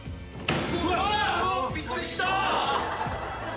うわ！びっくりした！